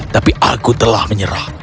tapi aku telah menyerah